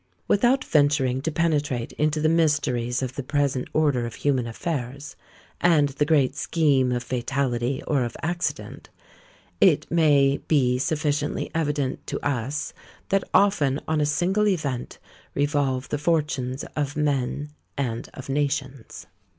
Without venturing to penetrate into the mysteries of the present order of human affairs, and the great scheme of fatality or of accident, it may he sufficiently evident to us, that often on a single event revolve the fortunes of men and of nations.